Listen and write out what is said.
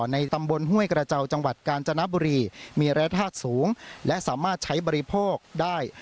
ในตำบลห้วยกระเจ้าจังหวัดกาญจนบุรีมีระยะธาตุสูงและสามารถใช้บริโภคได้